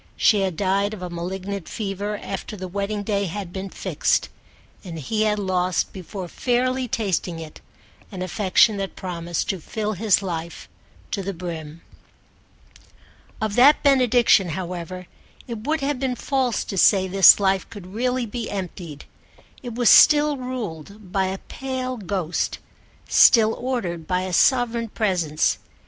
She had died of a malignant fever after the wedding day had been fixed, and he had lost before fairly tasting it an affection that promised to fill his life to the brim. Of that benediction, however, it would have been false to say this life could really be emptied: it was still ruled by a pale ghost, still ordered by a sovereign presence.